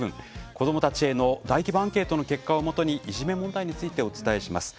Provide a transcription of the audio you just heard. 子どもたちへの大規模アンケートの結果をもとにいじめ問題についてお伝えします。